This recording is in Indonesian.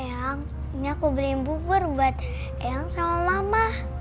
eyang ini aku beliin bubur buat eyang sama mama